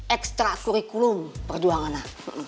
ekstra kurikulum perjuangannya